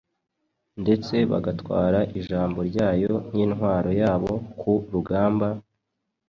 ndetse bagatwara ijambo ryayo nk’intwaro yabo ku rugamba,